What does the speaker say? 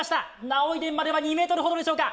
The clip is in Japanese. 儺追殿までは２ｍほどでしょうか。